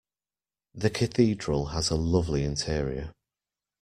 The Cathedral has a lovely interior.